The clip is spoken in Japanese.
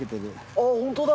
あっホントだ！